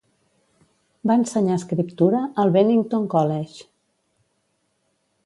Va ensenyar escriptura al Bennington College.